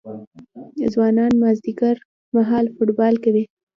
ځوانان مازدیګر مهال فوټبال کوي.